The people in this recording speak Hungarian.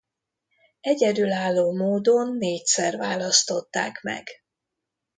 Egyedülálló módon négyszer választották meg.